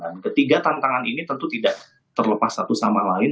ketiga tantangan ini tentu tidak terlepas satu sama lain